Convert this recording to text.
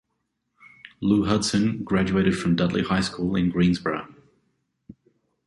Lou Hudson graduated from Dudley High School in Greensboro.